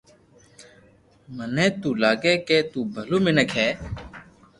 مني توو لاگي ھي تو ڀلو مينڪ ھي